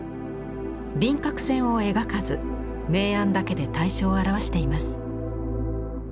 輪郭線を描かず明暗だけで対象を表しています。